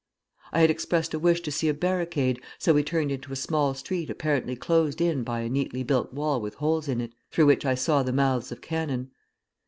I had expressed a wish to see a barricade, so we turned into a small street apparently closed in by a neatly built wall with holes in it, through which I saw the mouths of cannon.